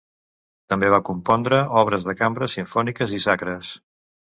També va compondre obres de cambra, simfòniques i sacres.